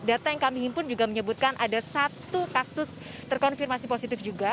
data yang kami himpun juga menyebutkan ada satu kasus terkonfirmasi positif juga